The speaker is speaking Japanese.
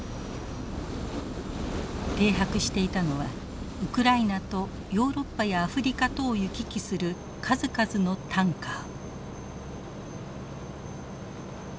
停泊していたのはウクライナとヨーロッパやアフリカとを行き来する数々のタンカー。